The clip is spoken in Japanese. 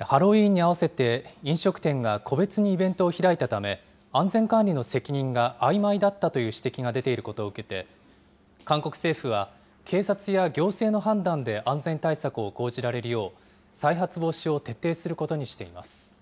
ハロウィーンに合わせて飲食店が個別にイベントを開いたため、安全管理の責任があいまいだったという指摘が出ていることを受けて、韓国政府は警察や行政の判断で安全対策を講じられるよう、再発防止を徹底することにしています。